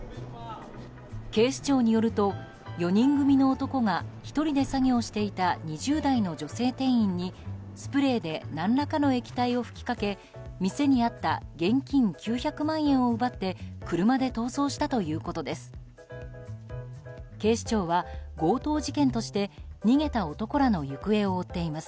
警視庁によると、４人組の男が１人で作業していた２０代の女性店員にスプレーで何らかの液体を吹きかけ店にあった現金９００万円を奪って車で逃走したということです。